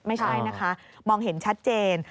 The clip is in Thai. ไม่ใช่นะคะมองเห็นชัดเจน